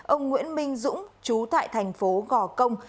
ông nguyễn minh dũng chú tại thành phố gò công